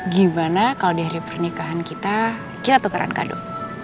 gimana kalau di hari pernikahan kita kita tukaran kado